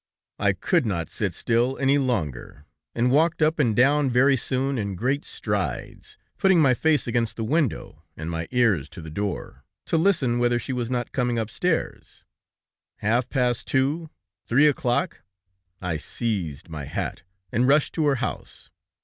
I could not sit still any longer, and walked up and down very soon in great strides, putting my face against the window, and my ears to the door, to listen whether she was not coming upstairs." "Half past two, three o'clock! I seized my hat, and rushed to her house.